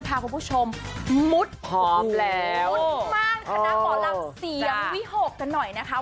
พาทุกผู้ชมมุดมุดคราวหลังเสียงวิโฮกน่ะหน่อยนะครับ